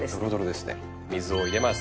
水を入れます。